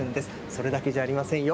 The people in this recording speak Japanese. それだけじゃありませんよ。